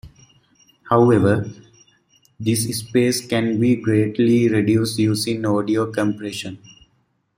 However, this space can be greatly reduced using audio compression.